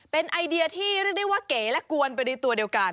เป็นไอเดียที่เรียกได้ว่าเก๋และกวนไปในตัวเดียวกัน